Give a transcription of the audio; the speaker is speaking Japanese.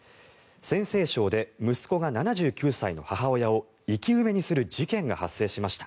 陝西省で息子が７９歳の母親を生き埋めにする事件が発生しました。